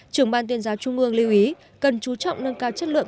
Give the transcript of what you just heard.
trưởng ban tuyên giáo trung ương lưu ý cần chú trọng nâng cao chất lượng